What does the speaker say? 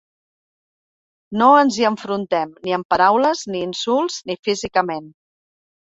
No ens hi enfrontem, ni amb paraules, ni insults, ni físicament.